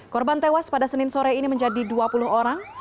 korban tewas pada senin sore ini menjadi dua puluh orang